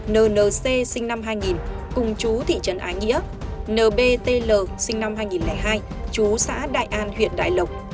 nc sinh năm hai nghìn cùng chú thị trấn ái nghĩa nbtl sinh năm hai nghìn hai chú xã đại an huyện đại lộc